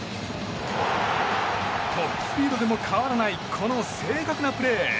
トップスピードでも変わらないこの正確なプレー。